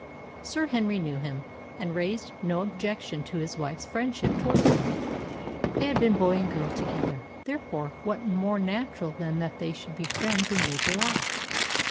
Sir Henry knew him, and raised no objection to his wife's friendship towards him. They had been boy and girl together; therefore what more natural than that they should be friends in later life?